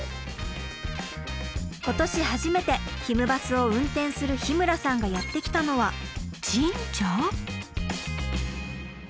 今年初めてひむバスを運転する日村さんがやって来たのは神社？